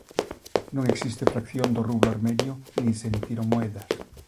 Non existe fracción do rublo armenio nin se emitiron moedas.